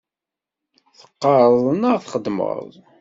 Teqqaṛeḍ neɣ txeddmeḍ?